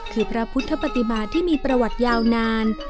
คือพระพุทธปฏิมาที่มีประวัติยาวนาน